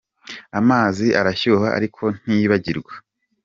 Amazi arashyuha ariko ntiyibagirwa.